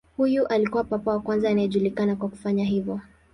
Huyu alikuwa papa wa kwanza anayejulikana kwa kufanya hivyo.